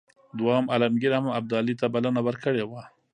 دوهم عالمګیر هم ابدالي ته بلنه ورکړې وه.